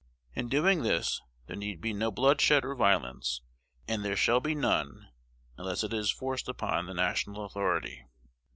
In doing this, there need be no bloodshed or violence; and there shall be none unless it is forced upon the national authority.